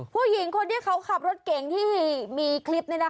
ผู้หญิงคนที่เขาขับรถเก่งที่มีคลิปนี้นะ